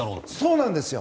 そうなんですよ。